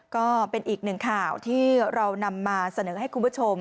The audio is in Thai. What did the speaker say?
ก็เป็นอีกหนึ่งข่าวที่เรานำมาเสนอให้คุณผู้ชม